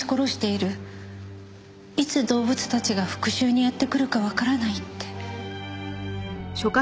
いつ動物たちが復讐にやって来るかわからないって。